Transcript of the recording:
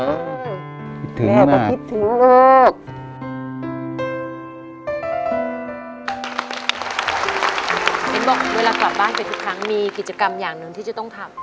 เห็นบอกเวลากลับบ้านไปทุกครั้งมีกิจกรรมอย่างหนึ่งที่จะต้องทำ